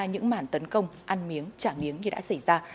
những màn tấn công ăn miếng trả miếng như đã xảy ra